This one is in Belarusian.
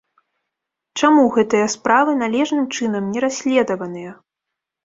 Чаму гэтыя справы належным чынам не расследаваныя?